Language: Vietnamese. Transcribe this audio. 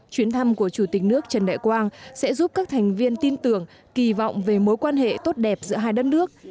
chuyến thăm của chủ tịch nước trần đại quang sẽ giúp các thành viên tin tưởng kỳ vọng về mối quan hệ tốt đẹp giữa hai đất nước